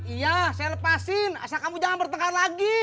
iya saya lepasin asal kamu jangan bertengkar lagi